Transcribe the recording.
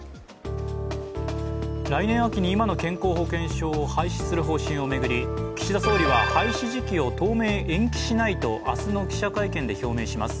来年秋に今の健康保険証を廃止する方針を巡り岸田総理は廃止時期を当面延期しないと明日の記者会見で表明します。